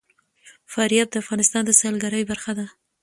فاریاب د افغانستان د سیلګرۍ برخه ده.